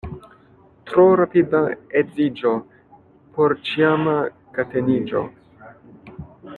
Tro rapida edziĝo — porĉiama kateniĝo.